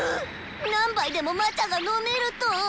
何杯でも魔茶が飲めると！